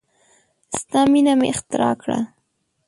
ستا مینه مې اختراع کړه